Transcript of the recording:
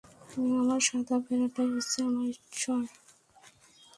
আমার সাদা ভেড়াটাই হচ্ছে আমার ঈশ্বর!